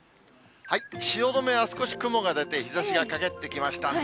汐留は少し雲が出て、日ざしがかげってきましたね。